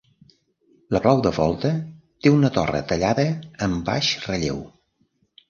La clau de volta té una torre tallada en baix relleu.